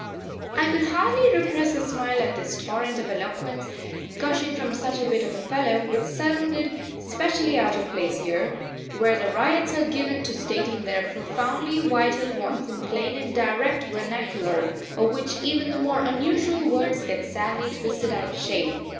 I could hardly repress a smile at this torrent of eloquence gushing from such a bit of a fellow, which sounded specially out of place here, where the ryots are given to stating their profoundly vital wants in plain and direct vernacular, of which even the more unusual words get sadly twisted out of shape.